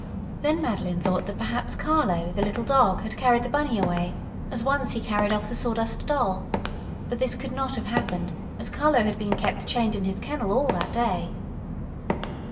Then Madeline thought perhaps Carlo, the little dog, had carried the Bunny away, as once he carried off the Sawdust Doll, but this could not have happened, as Carlo had been kept chained in his kennel all that day.